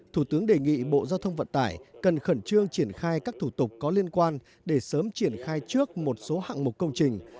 thủ tướng đề nghị bộ giao thông vận tải cần khẩn trương triển khai các thủ tục có liên quan để sớm triển khai trước một số hạng mục công trình